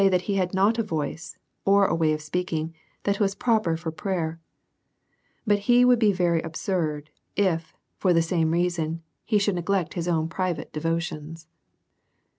189 that he had not a voice^ or a way of speaking, that was proper for prayer ; but he would be very absurd if, for the same reason, he should neglect his own private devotions.